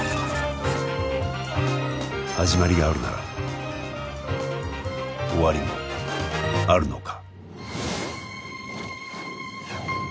始まりがあるなら終わりもあるのか？